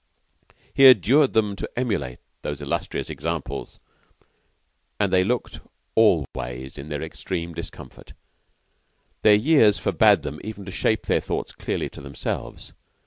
He adjured them to emulate those illustrious examples; and they looked all ways in their extreme discomfort. Their years forbade them even to shape their thoughts clearly to themselves.